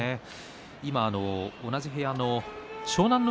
今、同じ部屋の湘南乃